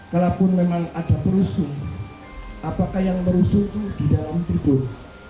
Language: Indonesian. kalaupun memang ada berusuh apakah yang berusuh itu di dalam tidur